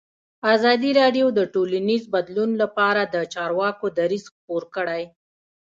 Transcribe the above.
ازادي راډیو د ټولنیز بدلون لپاره د چارواکو دریځ خپور کړی.